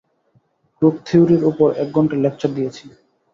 Group থিওরির ওপর এক ঘন্টার লেকচার দিয়েছি।